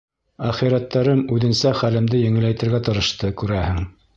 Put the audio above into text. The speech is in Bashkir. Әхирәттәрем үҙенсә хәлемде еңеләйтергә тырышты, күрәһең.